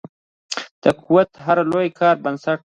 دا قوت د هر لوی کار بنسټ دی.